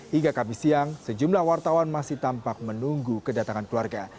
hingga kamis siang sejumlah wartawan masih tampak menunggu kedatangan keluarga